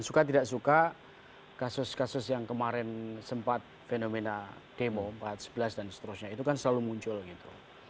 suka tidak suka kasus kasus yang kemarin sempat fenomena demo empat sebelas dan seterusnya itu kan selalu muncul gitu